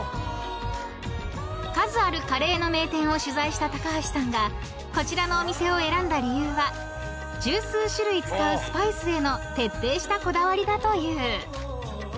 ［数あるカレーの名店を取材した高橋さんがこちらのお店を選んだ理由は十数種類使うスパイスへの徹底したこだわりだという］